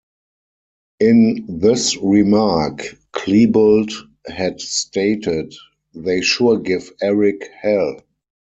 In this remark, Klebold had stated, They sure give Eric hell.